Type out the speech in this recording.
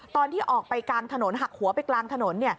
ตอนที่ออกไปกลางถนนหักหัวไปกลางถนน